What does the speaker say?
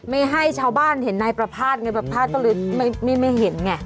ไม่ให้ชาวบ้านเห็นนายประภาษณ์ไงประพาทก็เลยไม่เห็นไง